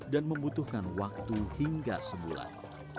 dan membutuhkan waktu hingga sebulan